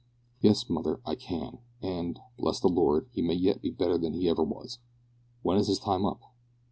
"Yes, mother, I can, and, bless the Lord, he may yet be better than he ever was. When is his time up?"